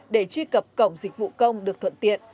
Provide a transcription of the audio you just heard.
để truy cập cổng dịch vụ công được thuận tiện